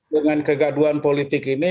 dengan kegaduan politik ini